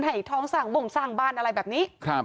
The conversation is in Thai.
ให้ท้องสร้างบ่งสร้างบ้านอะไรแบบนี้